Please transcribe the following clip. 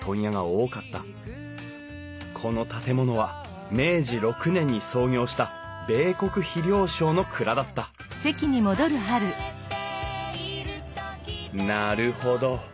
この建物は明治６年に創業した米穀肥料商の蔵だったなるほど。